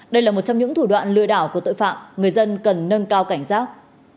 đây là một trong những thủ đoạn lừa đảo của tội phạm người dân cần nâng cao cảnh giác